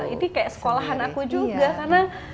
ini kayak sekolahan aku juga karena